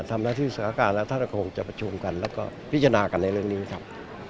สถานการณ์แล้วท่านก็คงจะประชุมกันแล้วก็พิจารณากันในเรื่องนี้ครับ